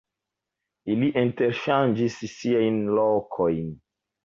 Ili interŝanĝis siajn lokojn.